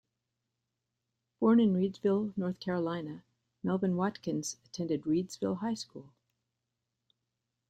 Born in Reidsville, North Carolina, Melvin Watkins attended Reidsville High School.